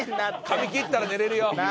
髪切ったら寝れるよ！